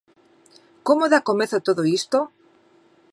Como dá comezo todo isto?